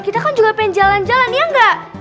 kita kan juga pengen jalan jalan ya mbak